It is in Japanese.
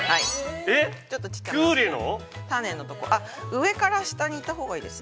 上から下に行ったほうがいいです。